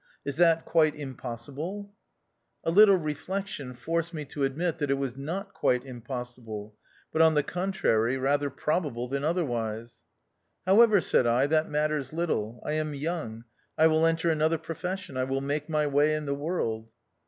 Is that quite im possible ?" A little reflection forced me to admit that it was not quite impossible ; but, on the contrary, rather probable than otherwise. " However," said I, " that matters little ; I am young, I will enter another profession, I will make my way in the world."